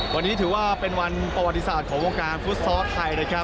วันนี้ถือว่าเป็นวันประวัติศาสตร์ของวงการฟุตซอลไทยนะครับ